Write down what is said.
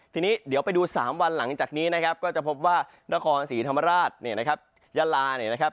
ทีนี้เดี๋ยวไปดู๓วันหลังจากนี้นะครับก็จะพบว่านครศีรธรรมราชยาลานะครับ